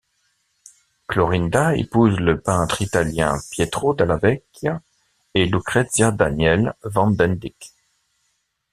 Clorinda épouse le peintre italien Pietro della Vecchia et Lucrezia Daniel van den Dyck.